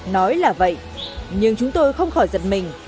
nói là vậy nhưng chúng tôi không khỏi giật mình